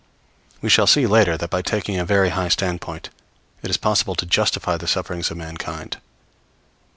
We shall see later that by taking a very high standpoint it is possible to justify the sufferings of mankind.